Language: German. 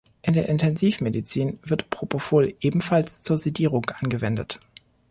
In der Intensivmedizin wird Propofol ebenfalls zur Sedierung angewendet.